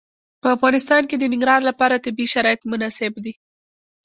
په افغانستان کې د ننګرهار لپاره طبیعي شرایط مناسب دي.